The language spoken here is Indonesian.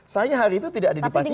saya hari itu tidak ada di pacitan